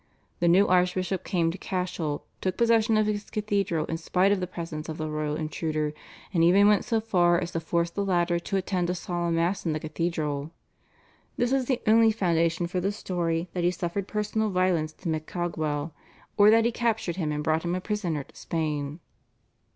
The new archbishop came to Cashel, took possession of his cathedral in spite of the presence of the royal intruder, and even went so far as to force the latter to attend a solemn Mass in the cathedral. This is the only foundation for the story that he suffered personal violence to MacCaghwell or that he captured him and brought him a prisoner to Spain.